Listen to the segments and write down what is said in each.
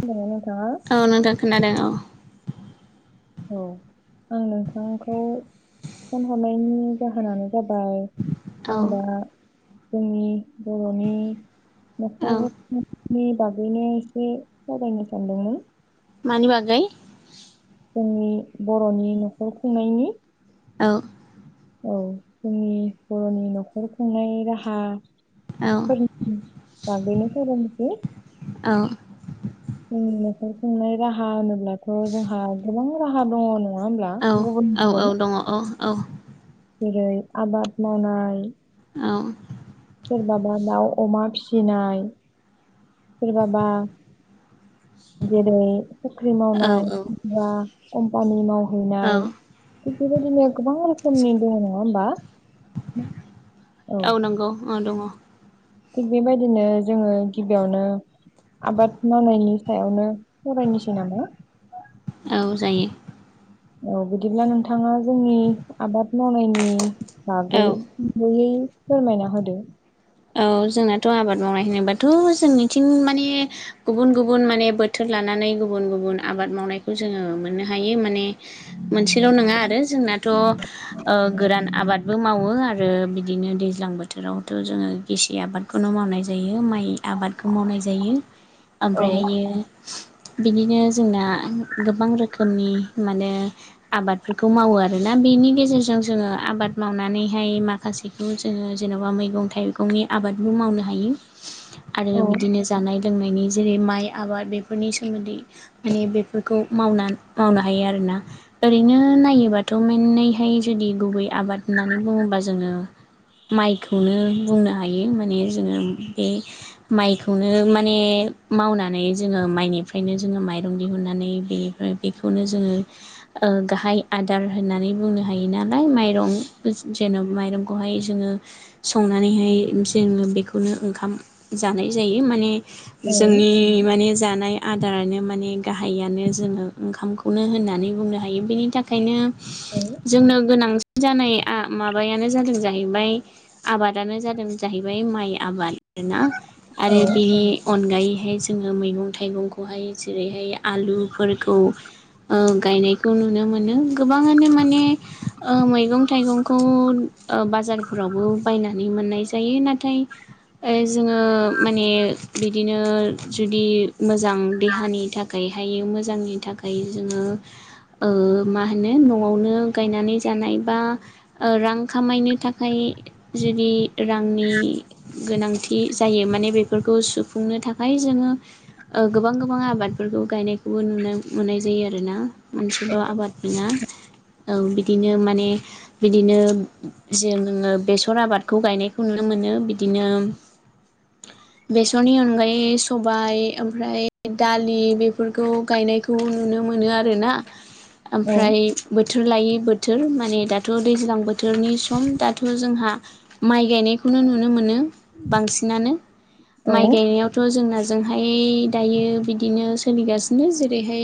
खोनादोंना नोंथाङा औ नोंथां खोनादों औ। औ आं नोंथांखौ फन हरनायनि जाहोनानो जाबाय औ आं औ दा जोंनि बर'नि औ न'खर बे बागैनो एसे सावरायनो सानदोंमोन मानि बा गै? जोंनि बर'नि न'खर खुंनायनि औ। औ जोंनि बर'नि न'खर खुंनाय राहा औ फोरनि बागैनो सावरायनोसै? औ। जोंनि नखर खुंनाय राहा होनोब्लाथ' जोंहा गोबां राहा दङ नङा होमब्ला? औ गुबुन औ गुबुन औ दङ औ औ जेरै आबाद मावनाय औ। सोरबाबा दाउ अमा फिसिनाय सोरबाबा जेरै फुख्रि औ मावनाय बा कम्पानि औ मावहैनाय थिग बेबायदिनो गोबां रोखोमनि दङ' नङा होमबा [inaudible] औ नंगौ अ दङ'। थिग बेबायदिनो जोङो गिबियावनो आबाद मावनायनि सायावनो फरायनोसै नामा? औ जायो। औ बिदिब्ला नोंथाङा जोंनि आबाद मावनायनि औ बागैयै फोरमायना होदो औ जोंनाथ' आबाद मावनाय होनोबाथ' जोंनिथिं माने गुबुन गुबुन माने बोथोर लानानै गुबुन गुबुन आबाद मावनायखौ जोङो मोननो हायो माने [inaudible] मोनसेल' नङा आरो जोंनाथ' गोरान आबादबो मावो आरो बिदिनो दै -ज्लां बोथोरावथ' जोङो गेसि आबादखौनो मावनाय जायो माइ आबाद -खौ मावनाय जायो औ ओमफ्रायहायो बिदिनो जोंना गोबां रोखोमनि माने आबादफोरखौ मावो आरोना बेनि गेजेरजों जोङो आबाद मावनानैहाय माखासेखौ जोङो जेन'बा मैगं थाइगं -गंनि आबादबो मावनो हायो आरो औ बिदिनो जानाय -लोंनायनि जेरै माइ आबाद बेफोरनि सोमोन्दै माने बेफोरखौ मावनो हायो आरोना ओरैनो नायोबाथ' मोननैहाय जुदि गुबै आबाद होननानै बुङोबा जोङो माइखौनो बुंनो हायो। माने जोङो बे माइखौनो माने मावनानै जोङो माइनि -निफ्रायनो जोङो माइरं दिहुननानै बेनिफ्राय बेखौनो जोङो ओ गाहाइ आदार होनना -नानै बुंनो हायो नालाय माइरं जेन'ब माइरंखौहाय जोङो संनानैहाय जोङो बेखौनो ओंखाम जानाय जायो माने औ जोंनि माने जा -नाय आदारानो माने गाहायानो जोङो ओंखामखौनो होननानै बुंनो हायो बेनि थाखायनो जोंनो गोनांथि जानाया माब- बायानो जादों जाहैबाय आबादानो जादों जाहैबाय माइ आबाद ना? औ आरो बि अनगायैहाय जोंङो मैगं थाइगंखौहाय जेरैहाय आलुफोरखौ ओ गायनायखौ नुनो मोनो गोबांङानो माने ओ मैगं थाइगंखौ ओ बाजारफोरावबो बायनानै मोननाय जा जायो नाथाय ओ जोङो माने बिदिनो जुदि मो जां देहानि थाखायहायो मोजांनि थाखाय जोङो [inaudible] ओ मा होनो न'आवनो गायनानै जानाय बा रां खामायनो थाखाय जुदि रांनि गोनांथि जायो माने बेफोरखौ सुफुंनो थाखाय जोंङो ओ गोबां गोबां आबादफोरखौ गायनायखौबो नुनो मोननाय जायो आरो ना मोनसेल' आबाद बिना औ बिदिनो माने बिदिनो जोंङो बेसर आबादखौ गायनाय खौ नुनो मोनो बिदिनो [inaudible] बेसरनि अनगायै सबाइ ओमफ्राय दालि बेफोरखौ गायनायखौ नुनो मोनो आरोना औ ओमफ्राय बो -थोर लायै बोथोर माने दाथ' दैज्लां बोथोरनि सम दाथ' जोंहा माइ गायनायखौनो नुनो मोनो बांसिनानो औ माइ गायनायावथ' जोंना जोंहाय दायो बिदिनो सोलिगासिनो जेरैहाय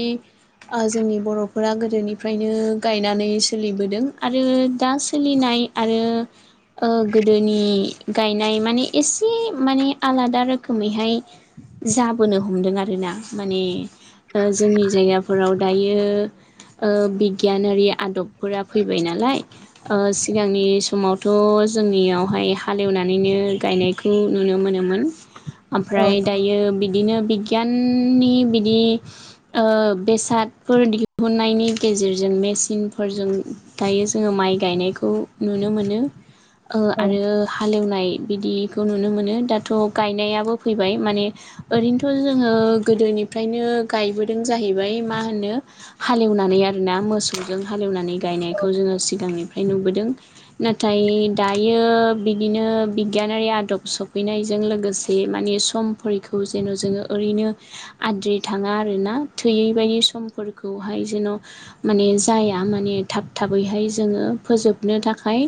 ओ जोंनि बर'फोरा गोदोनिफ्रायनो गायनानै सोलिबोदों आरो दा सोलिनाय नि आरो ओ गो दोनि गायनाय माने एसे माने आलादा रोखोमैहाय जाबोनो हमदों आरोना माने ओ जोंनि जायगाफोराव दायो ओ बिगियानारि आदबफोरा फैबाय नालाय ओ सिगांनि समावथ' जोंनियाव हाय हालेवनानैनो गायनायखौ नुनो मोनोमोन ओमफ्राय औ दायो बि बिदिनो बिगियाननि बिदि ओ बेसादफोर दिहुननायनि गेजेरजों गेजेरजों मेसिन फोरजों गायो जोंङो माइ गायनायखौ नुनो मोनो औ आरो हालेवनाय बिदि खौ नुनो मोनो दाथ' गायनायाबो फैबाय माने ओरैनोथ' जोंङो गोदोनिफ्रायनो ओ गायबोदों जाहैबाय मा होनो हालेवनानै आरोना मोसौजों हालेवनानै गायनाय जोङो सिगांनिफ्रायनो नुबोदों नाथाय दा दायो बिदिनो बिगियानारि आदब सफैनायजों लोगोसे माने समफोरखौ जेन' जोंङो ओरैनो आद्रि थांङा आरोना थोयै बायदि समफोरखौहाय जेन' माने जाया माने थाब थाबैहाय जोंङो फोजोबनो थाखाय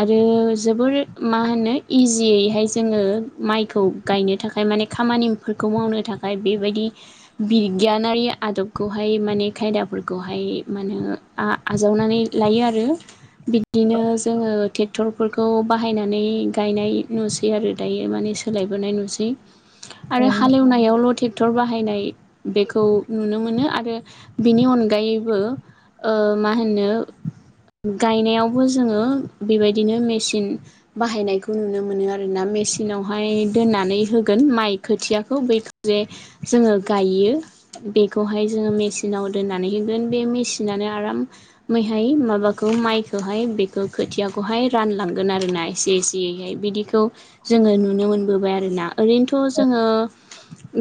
आ रो जोबोर मा होनो इजियैहाय जोंङो माइखौ गायनो थाखाय थाखाय माने खामानिफोरखौ मावनो थाखाय बेबायदि बिगियानारि आदबखौहाय माने खायदाफोरखौहाय माने आ-आजावनानै लायो आरो बिदिनो जोंङो टेक्टरफोरखौ बाहायनानै गायनाय नुसै आरो दायो माने सोलायबोनाय नुसै आरो औ हालेवनायावल' थेक क्टर बाहायनाय बेखौ नुनो मोनो आरो बिनि अनगायैबो ओ मा होनो गायनायावबो जोंङो बेबायद बिदिनो मेचिन बाहायनायखौ नुनो मोनो आरो ना मेचिनावहाय दोननानै होगोन माइ खोथिआखौ बेनिफ्राय जोंङो गायो बेखौहाय जोंङो मेसिनाव दोन्नानै गोन बे मेसिनानो आरामैहाय माबाखौ मायखौहाय बेखौ खोथिया खौहाय रानलांगोन आरो ना एसे एसेयैहाय बिदिखौ जोंङो नुनो मोनबोबाय आरोना ओरैनोथ' जोङो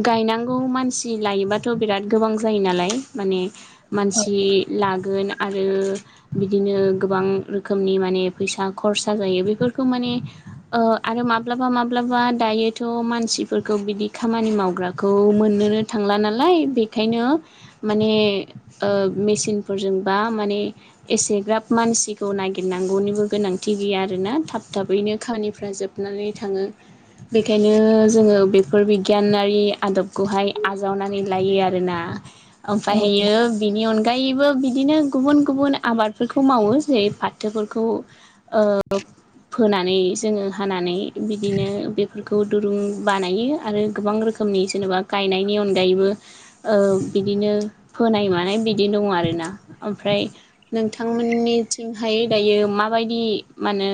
गायनांगौ मानसि लायोबाथ' बिराद गोबां जायो नालाय माने मानसि लागोन आरो बिदिनो गोबां रोखोमनि माने फैसा खरसा जायो बेफोरखौ माने आरो माब्लाबा माब्लाबा दायोथ' मानसि सिफोरखौ बिदि खामानि मावग्राखौ मोननोनो थांला नालाय बेखायनो माने ओ मेसिनफोरजोंबा माने एसेग्राब मानसिखौ नागिरनांगौनिबो गोनांथि गैया आरोना थाब थाबैनो खामानिफ्रा जोबनानै थाङो बेखायनो जोङो बेफोर बिगियानारि आदब खौहाय आजावनानै लायो आरोना औ ओमफ्रायहायो बिनि अनगायैबो बिदिनो गुबुन गुबुन आबादफोरखौ मावो जेरै फाथोफोरखौ फोनानै जोङो हानानै बिदिनो बेफोरखौ दुरुं बानायो आरो गोबां रोखोम रोखोमनि जेनेबा गायनायनि अनगायैबो ओ बिदिनो फोनाय मानाय बिदि दङ आरो ना ओमफ्राय नोंथांमोननिथिंहाय दायो मा माबायदि मेने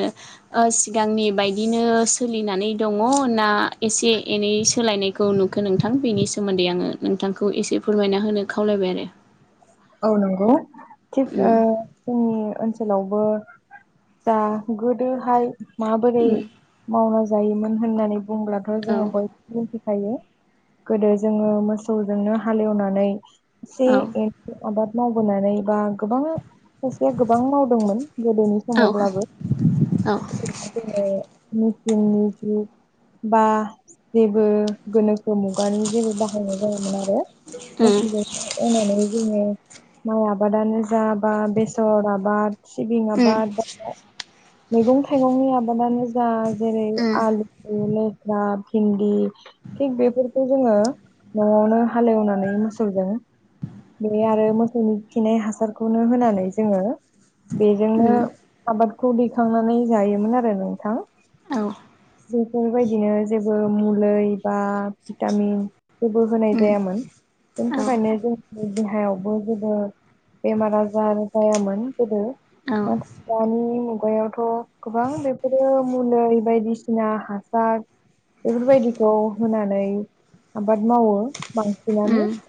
सिगांनि बदिनो सोलिनानै दङ ना ए एसे एनै सोलायनायखौ नुखो नोंथां बेनि सोमोन्दै आङो नोंथांखौ एसे फोरमायना होनो खावलायबाय आरो औ नंगौ थिग उम जोंनि ओनसोलावबो दा गोदोहाय माबोरै उम मावना जायोमोन होननानै बुंब्लाथ' औ जोङो बयबो थायो गोदो जोङो मोसौजोंनो हालेवनानै एसे औ आबाद मावबोनानै बा गोबां खायसेया गोबां मावदोंमोन गोदोनि समावब्लाबो औ जोंनि जुग बा जेबो गोनोखो मुगानि जेबो बाहायनाय जायामोन आरो उम [unintelligible] माइ आबादानो जा बा बेसर आबाद सिबिं उम आबाद मैगं थाइगंनि आबादानो जा जेरै उम आलु लेस्रा भिन्दि थिक बेफोरखौ जोङो न'आवनो हालेवनानै मोसौजों बेनि आरो मोसौनि खिनाय हासारखौनो होनानै जोङो बेजोंनो उम आबादखौ दैखांनानै जायोमोन आरो नोंथां औ बेफोरबायदिनो जेबो मुलै बा भिटामिन जेबो होनाय उम जायामोन बेनि औ थाखायनो जों देहायावबो जेबो बेमार आजार जायामोन बो औ दानि मुगायावथ' गोबां बेफोरो मुलै बायदिसिना हासार बेफोरबायदिखौ होनानै आबाद मावो बांसिनो उम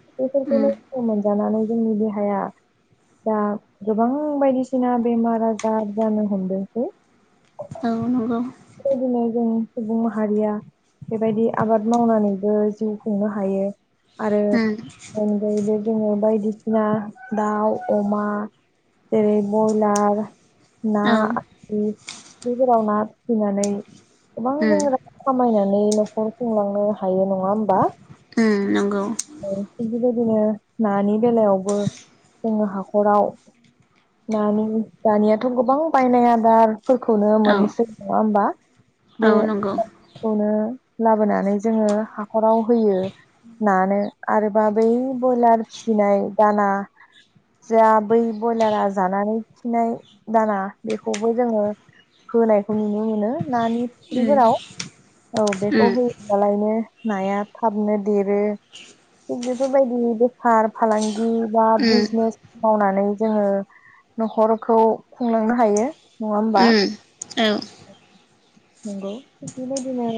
उम बेफोरखौनो जानानै जोंनि देहाया दा गोबां बायदिसिना बेमार आजार जानो हमदोंसै औ नंगौ बेबायदिनो जों सुबुं माहारिया बेबायदि आबाद मावनानैबो जिउ खुंनो हायो आरो उम बेनि अनगायैबो जोङो बायदिसिना दाउ अमा जेरै बयलार ना औ उम आरि बेफोराव ना फिसिनानै गोबां जोङो रां खामायनो नै नखर खुंलांनो हायो नङा होनबा उम नंगौ बिदिनो नानि बेलायावबो जोङो हाखराव नानि दानियाथ' गोबां बायनाय आदारफोरखौनो औ मोननोसै नङा होमबा औ नंगौ बेखौनो लाबोनानै जोङो हाख'राव होयो नानो। आरोबा बै ब्रयलार फिसिनाय दाना जा बै बयलारा जानानै खिनाय दाना बेखौबो जोङो होनायखौ नुनो मोनो नानि उम फुख्रिफोराव। औ बेखौ उम होयोबालायनो नाया थाबनो देरो। थिग बेफोरबायदि बेफार फालां गि बा बिजनेस मावनानै जोङो न'खरखौ खुंलांनो हायो। होमबा उम औ। नंगौ। थिग बेबादिनो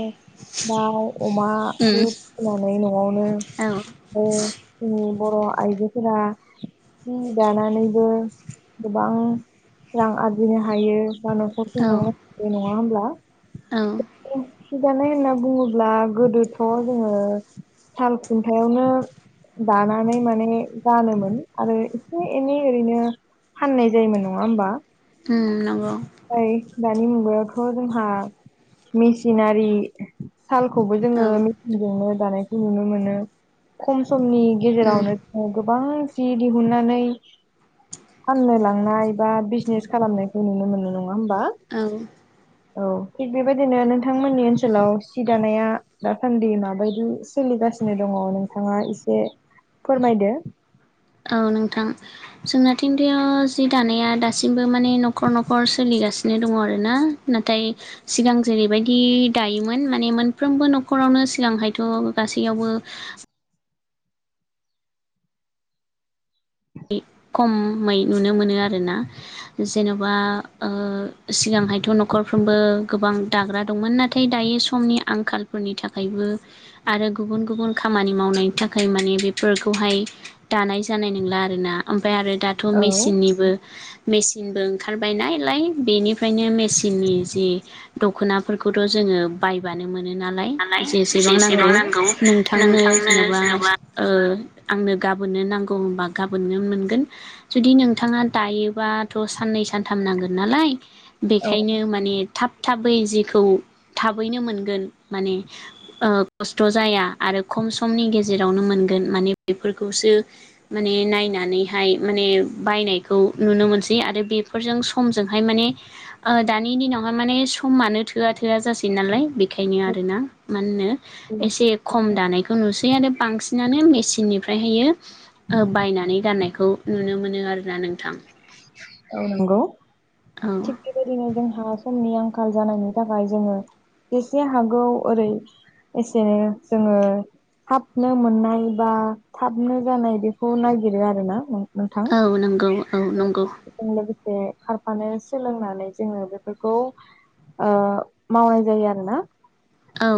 दाउ, अमाबो उम फिसिनानै न'आवनो औ आरो जोंनि बर' आइजोफोरा सि दानानैबो गोबां रां आरजिनो हायो बा न'खर औ खुंलांनो हायो नङा होनब्ला? सि दानाय होनना बुङोब्ला गोदोथ' जोङो साल खुन्थायावनो दानानै माने गानोमोन आरो एसे एनै ओरैनो फाननाय जायोमोन नङा होमबा? ओम नंगौ। ओइ दानि मुगायावथ' जोंहा मेसिनारि सालखौबो जोङो औ मेसिनजोंनो दानायखौ नुनो मोनो। खम समनि उम गेजेरावनो जों गोबां जि दिहुननानै फाननो लांनाय बा बिजनेस खालामनायखौ नुनो मोनो। नङा होमबा? औ औ थिग बेबायदिनो नोंथांमोननि ओनसोलाव सि दानाया दासान्दि माबायदि सोलिगा सिनो दङ' नोंथाङा एसे फोरमायदो। औ नोंथां जोंनाथिंदियाव जि दानाया दासिमबो माने न'खर न'खर सोलि गासिनो दङ आरोना। नाथाय सिगां जेरैबायदि दायोमोन माने मोनफ्रोमबो नख'र आवनो सिगांहायथ' गासैयावबो खमै नुनो मोनो आरोना जेन'बा ओ सिगांहायथ' न'खरफ्रोमबो गोबां दाग्रा दंमोन। नाथाय दायो समनि आंखालफोरनि थाखायबो आरो गुबुन गुबुन खामानि मावनायनि थाखाय माने बेफोरखौहाय दानाय जानाय नंला आरोना। ओमफ्राय आरो दाथ' औ मेसिननिबो मेसिनबो ओंखारबाय नालाय बेनिफायनो मेसिननि जि दख'नाफोरखौथ' जों ङो बायबानो मो मोनो नालाय, जेसेबां नांगौ नोंथांनो जेन'बा ओ आंनो गाबोननो नांगौ होनबा गाबोननो मोनगोन। जुदि नोंथाङा दायोबाथ' साननै सानथाम नांगोन नालाय। औ बेखायनो माने थाब थाबै जेखौ थाबैनो मोनगोन माने ओ खस्थ' जाया आरो खम समनि गेजेरावनो मोन गोन माने बेफोरखौसो माने नायना नैहाय माने बायनायखौ नुनो मोनसै आरो बेफोरजों समजोंहाय माने ओ दानि दिनावहाय माने समानो थोआ थोआ जासै नालाय बेखायनो आरोना मा होनो एसे खम दानायखौ नुसै। फ्रायानो बांसिनानो मेसिननिफ्राय होयो ओ बायनानै गाननायखौ नुनो मोनो आरोना नोंथां। औ नंगौ। औ थिग बेबायदिनो जोंहा समनि आं आंखाल जानायनि थाखाय जोङो जेसे हागौ ओरै एसेनो जोङो थाबनो मोननाय बा थाबनो जानाय बेखौ नागिरो आरोना नों औ नंगौ औ नंगौ। जे खारफानो सोलोंनानै जोङो बेफोरखौ ओ मावनाय जायो आरो ना। औ।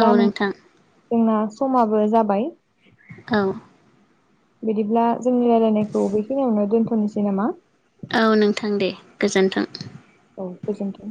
औ नों नोंथां जोंना समाबो जाबाय। औ। बिदिब्ला जोंनि रायलायनायखौ बेखिनियावनो दोन्थनोसै नामा? औ नोंथां दे गोजोन्थों। औ गोजोनथों।